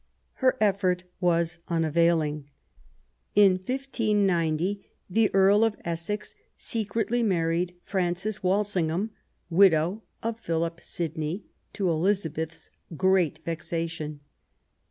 Her effort was unavailing. In 1590 the Earl of Essex secretly married Frances Walsingham, widow of Philip Sidney, to Elizabeth's great vexation.